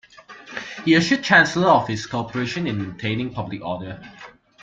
He assured Chancellor of his cooperation in maintaining public order.